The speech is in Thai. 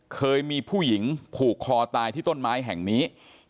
เคยมีผู้หญิงผูกคอตายที่ต้นไม้แห่งนี้